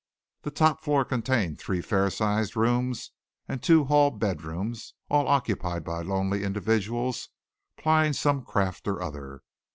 The top floor contained three fair sized rooms and two hall bedrooms, all occupied by lonely individuals plying some craft or other.